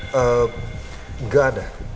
kalau enggak ya